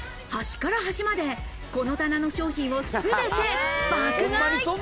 端から端までこの棚の商品を全て爆買い。